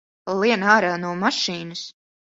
Lien ārā no mašīnas!